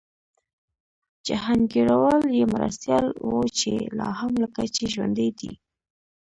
جهانګیروال یې مرستیال و چي لا هم لکه چي ژوندی دی